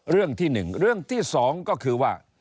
เรื่องที่สองก็คือว่า